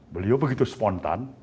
beliau begitu spontan